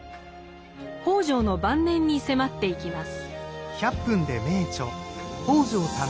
北條の晩年に迫っていきます。